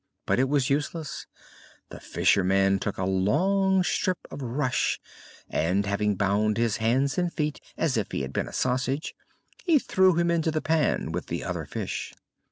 But it was useless: the fisherman took a long strip of rush and, having bound his hands and feet as if he had been a sausage, he threw him into the pan with the other fish.